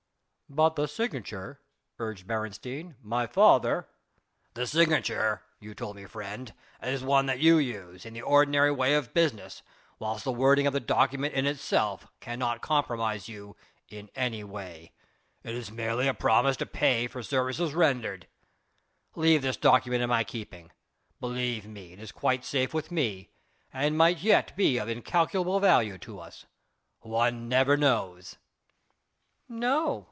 "But ... the signature ..." urged Beresteyn, "my father...." "The signature, you told me, friend, is one that you use in the ordinary way of business whilst the wording of the document in itself cannot compromise you in any way; it is merely a promise to pay for services rendered. Leave this document in my keeping; believe me, it is quite safe with me and might yet be of incalculable value to us. One never knows." "No!